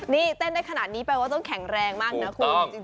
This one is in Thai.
นี่เต้นได้ขนาดนี้แปลว่าต้องแข็งแรงมากนะคุณ